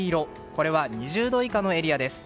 これは２０度以下のエリアです。